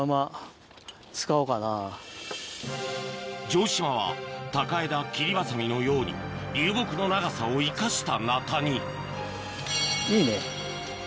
城島は高枝切りバサミのように流木の長さを生かした鉈にいいね。